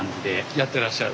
やってらっしゃる？